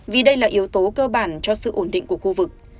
vì đây là yếu tố cơ bản cho sự ổn định của khu vực